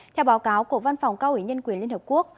theo báo cáo của văn phòng cao ủy nhân quyền liên hợp quốc